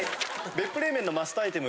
別府冷麺のマストアイテム